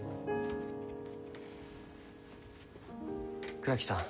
倉木さん